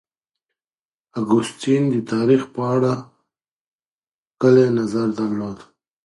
اګوستين د تاريخ په اړه کلي نظر درلود.